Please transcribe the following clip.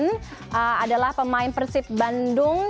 kim jeffrey adalah pemain persib bandung